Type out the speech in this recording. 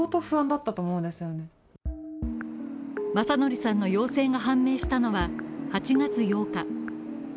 昌徳さんの陽性が判明したのは８月８日。